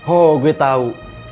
oh gue tau